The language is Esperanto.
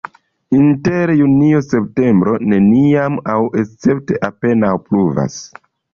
Inter junio-septembro neniam aŭ escepte apenaŭ pluvas.